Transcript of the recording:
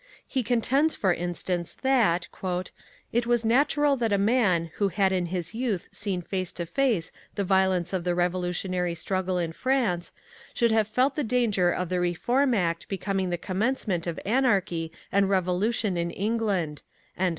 He contends, for instance, that "it was natural that a man, who had in his youth seen face to face the violence of the revolutionary struggle in France, should have felt the danger of the Reform Act becoming the commencement of anarchy and revolution in England."